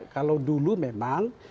kalau dulu memang